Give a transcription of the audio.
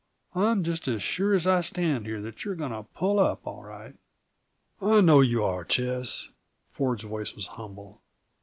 I'm just as sure as I stand here that you're going to pull up, all right." "I know you are, Ches." Ford's voice was humble.